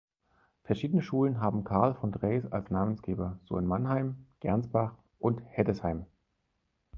Verschiedene Schulen haben Karl von Drais als Namensgeber, so in Mannheim, Gernsbach und Heddesheim.